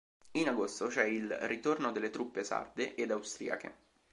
In agosto, c'è il ritorno delle truppe sarde ed austriache.